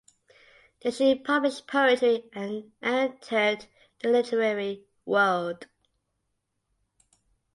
Then she published poetry and entered the literary world.